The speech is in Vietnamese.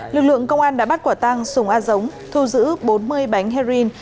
lực lượng công an đã bắt quả tăng sùng a giống thu giữ bốn mươi bánh heroin